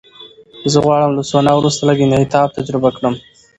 زه غواړم له سونا وروسته لږ انعطاف تجربه کړم.